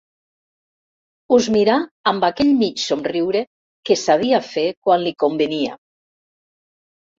Us mirà amb aquell mig somriure que sabia fer quan li convenia.